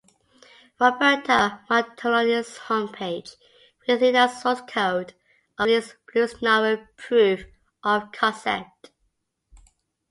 Roberto Martelloni's home page with Linux source code of released Bluesnarfer proof-of-concept.